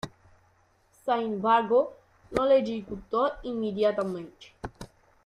Sin embargo no la ejecutó inmediatamente.